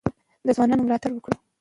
د ځوانانو ملاتړ وکړو.